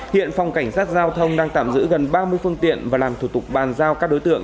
hiện phòng cảnh sát giao thông đang tạm giữ gần ba mươi phương tiện và làm thủ tục bàn giao các đối tượng